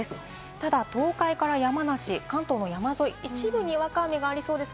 ただ東海から山梨、関東の山沿い、一部、にわか雨がありそうです。